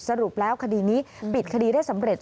สรุปแล้วคดีนี้ปิดคดีได้สำเร็จ